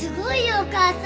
お母さん。